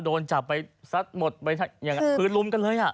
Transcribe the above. โดนจับไปซัดหมดอย่างคือลุ้มกันเลยอะ